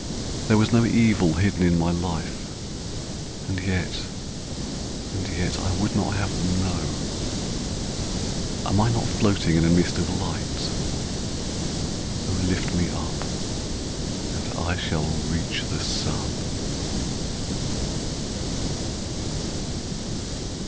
There was no evil hidden in my life, And yet, and yet, I would not have them know Am I not floating in a mist of light? O lift me up and I shall reach the sun!